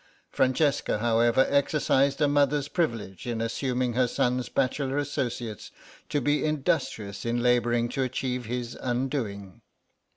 Francesca, however, exercised a mother's privilege in assuming her son's bachelor associates to be industrious in labouring to achieve his undoing.